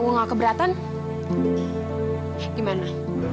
kalau gue gak keberatan gimana